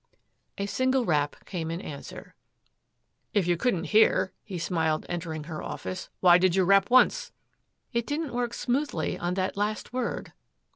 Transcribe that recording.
A single rap came in answer. "If you couldn't hear," he smiled entering her office, "why did you rap once!" "It didn't work smoothly on that last word."